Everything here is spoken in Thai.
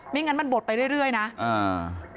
งั้นมันบดไปเรื่อยเรื่อยนะอ่า